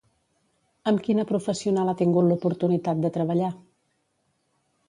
Amb quina professional ha tingut l'oportunitat de treballar?